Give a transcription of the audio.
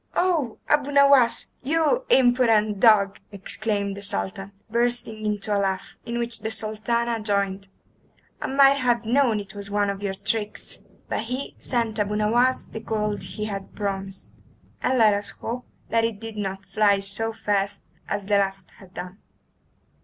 "Oh, Abu Nowas, you impudent dog!" exclaimed the Sultan, bursting into a laugh, in which the Sultana joined. "I might have known it was one of your tricks!" But he sent Abu Nowas the gold he had promised, and let us hope that it did not fly so fast as the last had done.